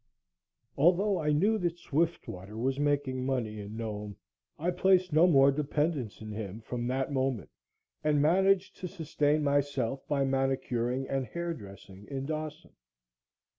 Although I knew that Swiftwater was making money in Nome, I placed no more dependence in him from that moment and managed to sustain myself by manicuring and hairdressing in Dawson.